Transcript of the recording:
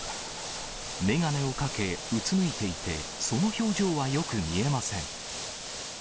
眼鏡をかけ、うつむいていて、その表情はよく見えません。